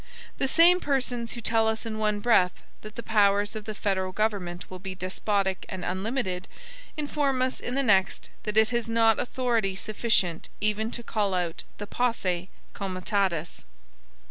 The same persons who tell us in one breath, that the powers of the federal government will be despotic and unlimited, inform us in the next, that it has not authority sufficient even to call out the POSSE COMITATUS.